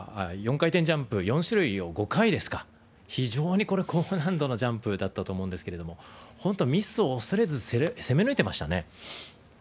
４回転ジャンプ４種類を５回ですか非常にこれ高難度のジャンプだったと思うんですけれども本当ミスをおそれず攻め抜いてましたね。